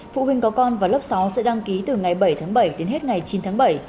phụ huynh có con và lớp sáu sẽ đăng ký từ ngày bảy tháng bảy đến hết ngày chín tháng bảy